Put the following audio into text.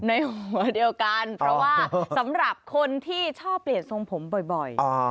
ในหัวเดียวกันเพราะว่าสำหรับคนที่ชอบเปลี่ยนทรงผมบ่อย